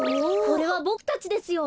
これはボクたちですよ。